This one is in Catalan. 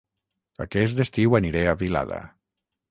Aquest estiu aniré a Vilada